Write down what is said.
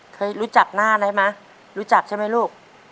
เคยรู้จักหน้าได้มั้ยรู้จักใช่มั้ยลูก